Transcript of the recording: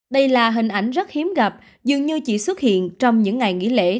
đây là hình ảnh rất hiếm gặp dường như chỉ xuất hiện trong những ngày nghỉ lễ